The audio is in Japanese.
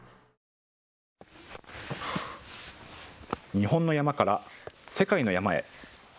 日本の山から世界の山へ。